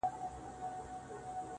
زما د اوښکو په سمار راته خبري کوه.